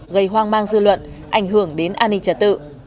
gây hoang mang dư luận ảnh hưởng đến an ninh trật tự